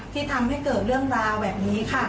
ที่ทำให้เกิดเรื่องราวแบบนี้ค่ะ